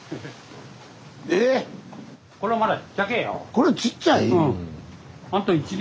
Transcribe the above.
これちっちゃい？